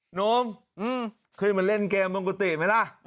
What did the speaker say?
หนูคือมาเล่นเกมบนกุฏิไหมล่ะ